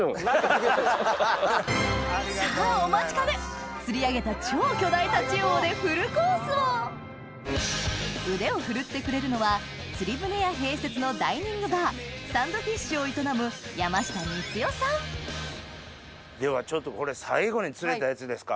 さぁお待ちかね釣り上げた腕を振るってくれるのは釣り船屋併設のダイニングバーサンドフィッシュを営むではちょっとこれ最後に釣れたやつですか。